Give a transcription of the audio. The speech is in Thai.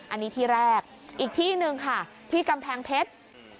อันนี้ที่แรกอีกที่หนึ่งค่ะที่กำแพงเพชร